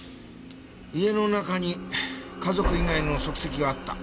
家の中に家族以外の足跡があった。